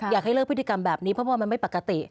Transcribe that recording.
อยากให้เลิกพฤติกรรมแบบนี้เพราะว่ามันไม่ปกติ